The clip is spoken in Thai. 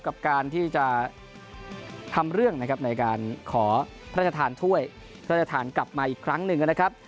กับการที่จะทำเรื่องนะครับในการขอพระราชทานถ้วยพระราชทานกลับมาอีกครั้งหนึ่งนะครับ